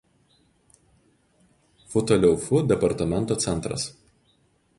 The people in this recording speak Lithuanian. Futaleufu departamento centras.